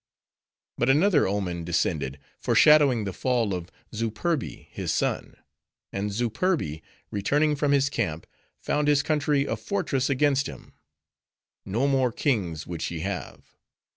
"But another omen descended, foreshadowing the fall of Zooperbi, his son; and Zooperbi returning from his camp, found his country a fortress against him. No more kings would she have.